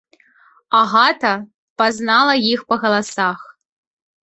Агата пазнала іх па галасах.